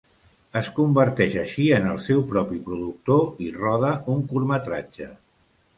Es converteix així en el seu propi productor i roda un curtmetratge.